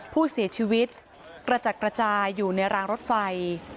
ผู้เสียชีวิตกระจัดกระจายอยู่ในรางรถไฟ